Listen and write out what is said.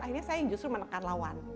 akhirnya saya justru menekan lawan